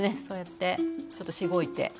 そうやってちょっとしごいて。